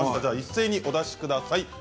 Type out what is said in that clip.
一斉にお出しください。